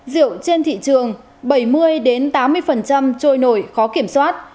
rượu trên thị trường bảy mươi tám mươi trôi nổi khó kiểm soát